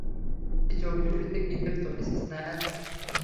এই চোখ দুটিতে কী দেখছ, মিসেস নায়ার?